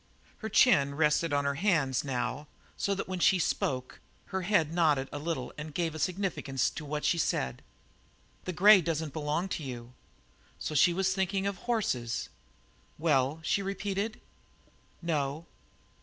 Her chin rested on her hands, now, so that when she spoke her head nodded a little and gave a significance to what she said. "The grey doesn't belong to you?" So she was thinking of horses! "Well," she repeated. "No."